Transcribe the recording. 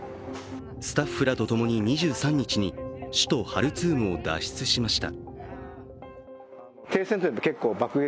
スタッフらとともに２３日に首都ハルツームを脱出しました。